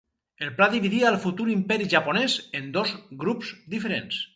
El pla dividia el futur Imperi Japonés en dos grups diferents.